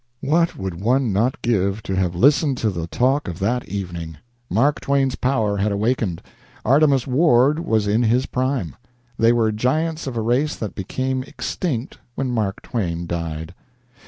What would one not give to have listened to the talk of that evening! Mark Twain's power had awakened; Artemus Ward was in his prime. They were giants of a race that became extinct when Mark Twain died.